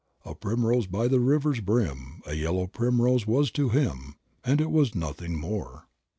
"A primrose by the river's brim, A yellow primrose was to him, And it was nothing more."